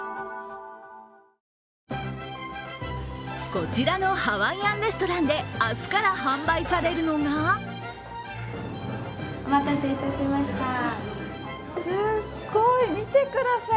こちらのハワイアンレストランで明日から販売されるのがすごい、みてください